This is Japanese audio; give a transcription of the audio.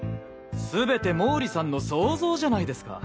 すべて毛利さんの想像じゃないですか。